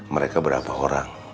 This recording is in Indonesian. mereka berapa orang